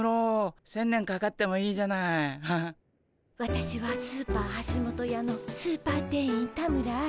私はスーパーはしもとやのスーパー店員田村愛。